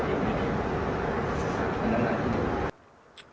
แค่คิดว่าตัวเองไม่ได้อันนั้นหน้าที่หนึ่ง